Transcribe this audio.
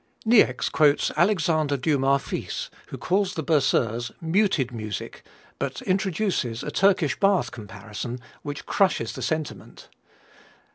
Niecks quotes Alexandre Dumas fils, who calls the Berceuse "muted music," but introduces a Turkish bath comparison, which crushes the sentiment.